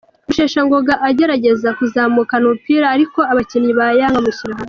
Rusheshangoga agerageza kuzamukana umupira, ariko abakinnyi ba Yanga bamushyira hasi.